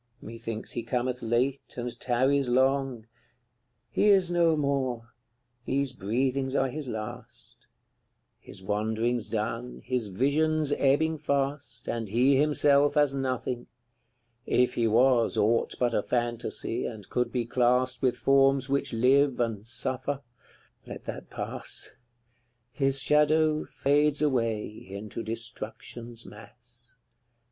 Methinks he cometh late and tarries long. He is no more these breathings are his last; His wanderings done, his visions ebbing fast, And he himself as nothing: if he was Aught but a phantasy, and could be classed With forms which live and suffer let that pass His shadow fades away into Destruction's mass, CLXV.